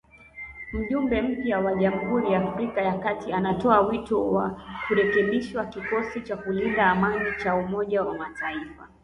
Mjumbe mpya wa Jamhuri ya Afrika ya Kati anatoa wito wa kurekebishwa kikosi cha kulinda amani cha Umoja wa Mataifa